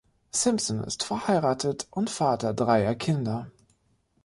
Simpson ist verheiratet und Vater dreier Kinder.